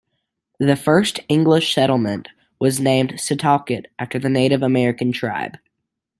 The first English settlement was named Setauket after the Native American tribe.